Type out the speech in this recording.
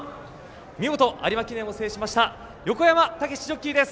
見事、有馬記念を制しました横山武史ジョッキーです。